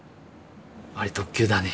あれ特急だね。